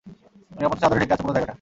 নিরাপত্তার চাদরে ঢেকে আছে পুরো জায়গাটা।